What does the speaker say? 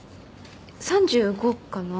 ３５かな